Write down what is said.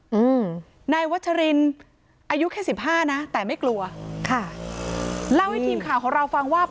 อืมนายวัชรินอายุแค่สิบห้านะแต่ไม่กลัวค่ะเล่าให้ทีมข่าวของเราฟังว่า